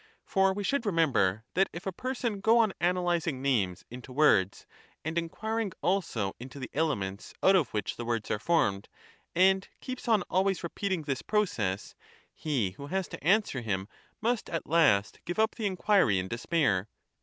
For we should remember, that if a person go on analysing names into words, and enquiring also into the elements out of which the words are formed, and keeps on always repeating this pro cess, he who has to answer him must at last give up the enquiry in despair.